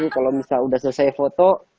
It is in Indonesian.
kalau misalnya sudah selesai foto